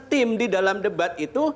tim di dalam debat itu